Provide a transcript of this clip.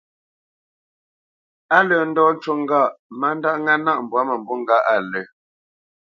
Á lə́ ndɔ́ ncú ŋgâʼ má ndáʼ ŋá nâʼ mbwǎ mə̂mbû ŋgâʼ á lə̂.